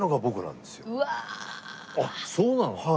あっそうなの？